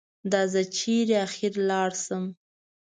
دا زه چېرې اخر لاړ شم؟